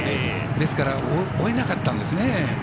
ですから追えなかったんですね。